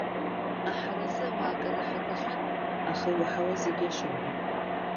Аҳаразы ауаа акы раҳақәахьан, аха иуаҳауа зегьы иашоума?